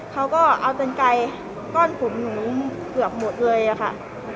เขาก็เอากันไกลก้อนผมหนูเกือบหมดเลยอะค่ะ